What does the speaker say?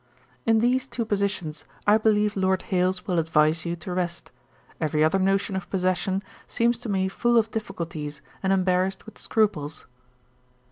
In these two positions I believe Lord Hailes will advise you to rest; every other notion of possession seems to me full of difficulties and embarrassed with scruples.